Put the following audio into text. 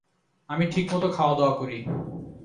আমি ঠিকমত খাওয়া দাওয়া করি।